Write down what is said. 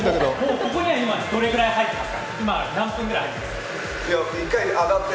ここには何分くらい入っていますか？